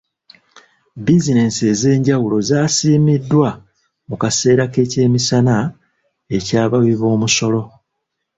Bizinensi ez'enjawulo zaasiimiddwa mu kaseera k'ekyemisana eky'abawi b'omusolo.